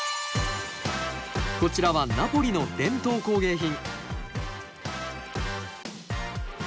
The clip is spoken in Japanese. こちらはナポリの伝統工芸品。